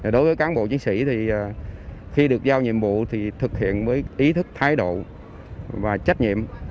đối với cán bộ chiến sĩ thì khi được giao nhiệm vụ thì thực hiện với ý thức thái độ và trách nhiệm